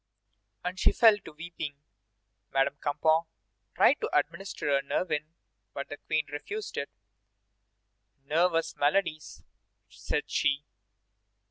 And she fell to weeping. Madame Campan tried to administer a nervine, but the Queen refused it. "Nervous maladies," said she.